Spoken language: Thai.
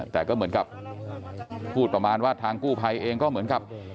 แต่ก็เหมือนกับพูดประมาณว่าทางกู้ภัยเองก็เหมือนกับ